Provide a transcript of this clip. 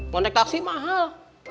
mau naik taksi mahal